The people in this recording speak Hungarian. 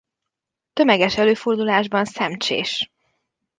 Tömeges előfordulásban szemcsés.